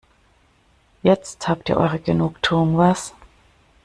Jetzt habt ihr eure Genugtuung, was?